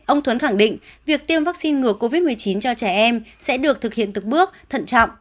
ông thuấn khẳng định việc tiêm vắc xin ngừa covid một mươi chín cho trẻ em sẽ được thực hiện tức bước thận trọng